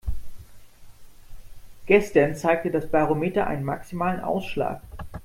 Gestern zeigte das Barometer einen maximalen Ausschlag.